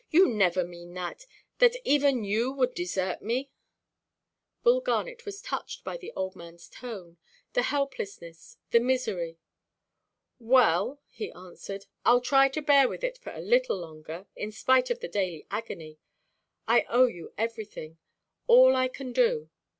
You never mean that—that even you would desert me?" Bull Garnet was touched by the old manʼs tone—the helplessness, the misery. "Well," he answered, "Iʼll try to bear with it for a little longer, in spite of the daily agony. I owe you everything; all I can do.